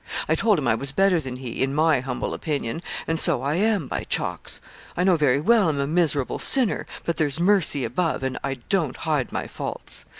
I told him I was better than he, in my humble opinion, and so I am, by chalks. I know very well I'm a miserable sinner, but there's mercy above, and I don't hide my faults.